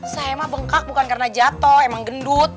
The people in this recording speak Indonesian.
saya emang bengkak bukan karena jatuh emang gendut